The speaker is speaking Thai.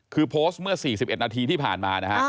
คือโพสต์เมื่อ๔๑นาทีที่ผ่านมานะฮะ